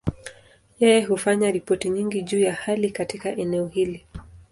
Yeye hufanya ripoti nyingi juu ya hali katika eneo hili.